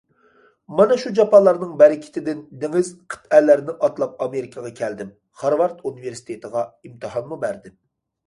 مانا، شۇ جاپالارنىڭ بەرىكىتىدىن دېڭىز، قىتئەلەرنى ئاتلاپ ئامېرىكىغا كەلدىم، خارۋارد ئۇنىۋېرسىتېتىغا ئىمتىھانمۇ بەردىم.